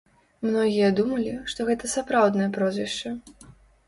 Многія думалі, што гэта сапраўднае прозвішча.